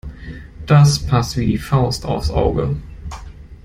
Das passt wie die Faust aufs Auge.